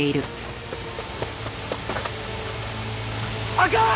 あかん！